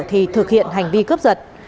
thì thực hiện hành vi cướp giật